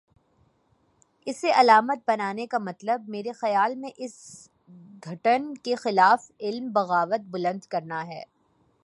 اسے علامت بنانے کا مطلب، میرے خیال میں اس گھٹن کے خلاف علم بغاوت بلند کرنا ہے۔